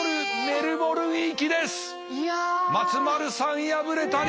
松丸さん敗れたり！